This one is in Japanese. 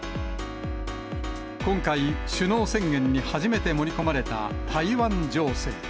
今回、首脳宣言に初めて盛り込まれた台湾情勢。